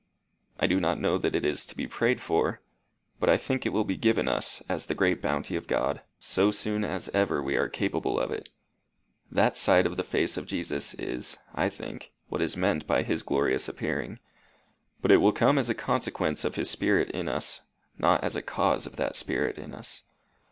I do not know that it is to be prayed for; but I think it will be given us as the great bounty of God, so soon as ever we are capable of it. That sight of the face of Jesus is, I think, what is meant by his glorious appearing, but it will come as a consequence of his spirit in us, not as a cause of that spirit in us.